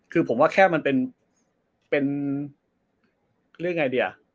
คือผมว่าแค่มันเป็นเรียกไงดีอ่ะ